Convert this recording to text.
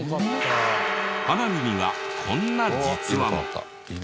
花火にはこんな「実は」も。